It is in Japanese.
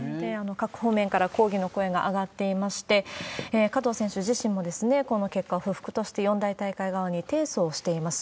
各方面から抗議の声が上がっていまして、加藤選手自身も、この結果を不服として、四大大会側に提訴をしています。